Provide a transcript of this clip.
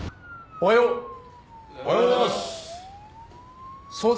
おはようございます！